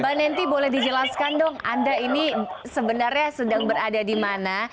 mbak nenty boleh dijelaskan dong anda ini sebenarnya sedang berada di mana